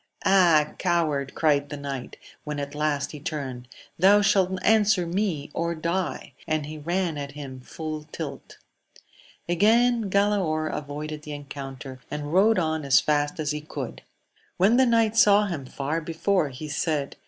Ah, coward ! cried the knight, when at last he turned, thou shalt answer me or die ! and he ran at him again full tilt. Again Galaor avoided the encoun ter, and rode on as fast as he could. When the knight saw him far before, he said.